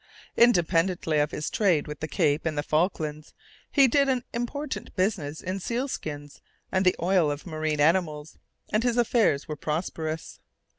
Independently of his trade with the Cape and the Falklands, he did an important business in seal skins and the oil of marine animals, and his affairs were prosperous.